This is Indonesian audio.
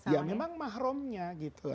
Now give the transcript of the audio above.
ya memang mahrumnya gitu